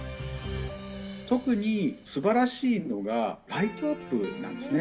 特にすばらしいのが、ライトアップなんですね。